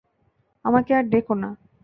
আমাকে আর ডেকো না।